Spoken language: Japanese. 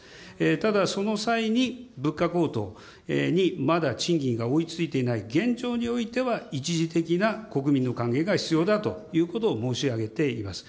ただ、その際に、物価高騰にまだ賃金が追いついていない現状においては一時的な国民の還元が必要だということを申し上げています。